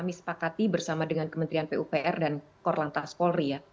kami sudah berpakati bersama dengan kementrian pupr dan korlantas polri ya